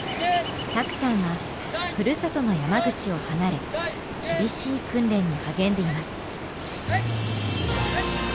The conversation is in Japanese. たくちゃんはふるさとの山口を離れ厳しい訓練に励んでいます。